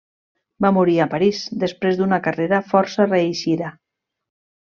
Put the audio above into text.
Va morir a París després d'una carrera força reeixida.